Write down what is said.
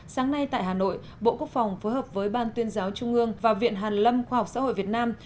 sáng nay tại hà nội bộ quốc phòng phối hợp với ban tuyên giáo trung ương và viện hàn lâm khoa học xã hội việt nam